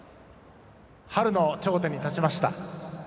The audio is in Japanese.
春の頂点に立ちました。